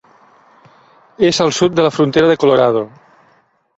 És al sud de la frontera de Colorado.